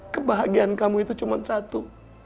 kebahagiaan kamu itu cuma satu